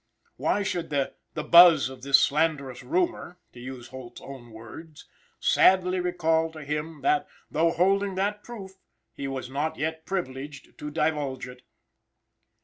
Why should "the buzz of this slanderous rumor" (to use Holt's own words), "sadly recall to him that, though holding that proof, he was not yet privileged to divulge it?"